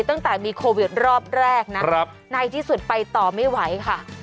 ตั้งแต่มีโควิดรอบแรกนะในที่สุดไปต่อไม่ไหวค่ะ